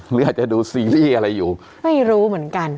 หรืออาจจะดูซีรีส์อะไรอยู่ไม่รู้เหมือนกัน